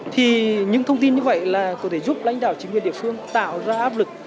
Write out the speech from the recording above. thì những thông tin như vậy là có thể giúp lãnh đạo chính quyền địa phương tạo ra áp lực